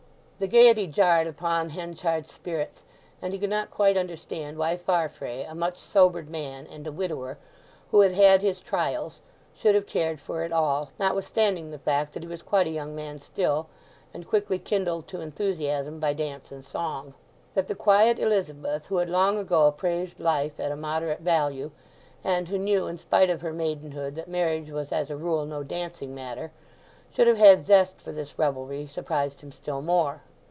The gaiety jarred upon Henchard's spirits; and he could not quite understand why Farfrae, a much sobered man, and a widower, who had had his trials, should have cared for it all, notwithstanding the fact that he was quite a young man still, and quickly kindled to enthusiasm by dance and song. That the quiet Elizabeth, who had long ago appraised life at a moderate value, and who knew in spite of her maidenhood that marriage was as a rule no dancing matter, should have had zest for this revelry surprised him still more.